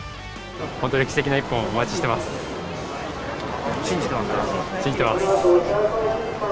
本当に歴史的な一本をお待ち信じてますか？